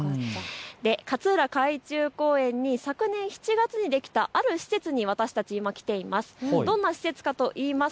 勝浦海中公園に昨年７月にできたある施設に私たちは今、来ています。